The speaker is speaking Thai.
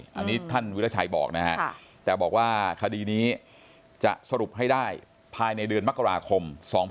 อันนี้ท่านวิราชัยบอกนะฮะแต่บอกว่าคดีนี้จะสรุปให้ได้ภายในเดือนมกราคม๒๕๖๒